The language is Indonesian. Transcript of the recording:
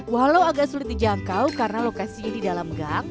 walau agak sulit dijangkau karena lokasinya di dalam gang